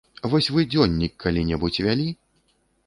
Вось вы дзённік калі-небудзь вялі?